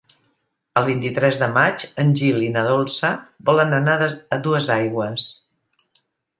El vint-i-tres de maig en Gil i na Dolça volen anar a Duesaigües.